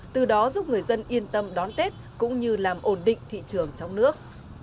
từ đó giúp người dân yên tâm đón tết cũng như làm ổn định thị trường trong nước